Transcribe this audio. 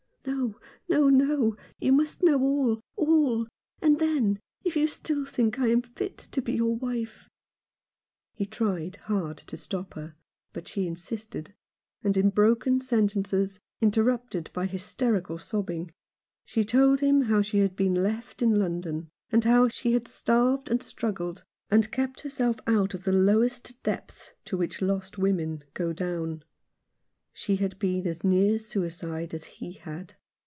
"No, no, no ; you must know all — all — and then if you still think I am fit to be your wife " He tried hard to stop her, but she insisted ; and in broken sentences, interrupted by hysterical sobbing, she told him how she had been left in London, and how she had starved and struggled, and kept herself out of the lowest depth to which lost women go down. She had been as near suicide as he had.